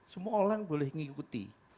semua orang boleh mengikuti